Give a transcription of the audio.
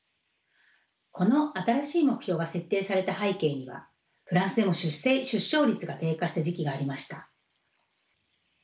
この新しい目標が設定された背景にはフランスでも出生率が低下した時期がありました。